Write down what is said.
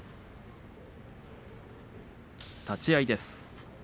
立ち合いです。